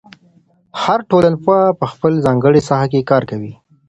هر ټولنپوه په خپله ځانګړې ساحه کې کار کوي.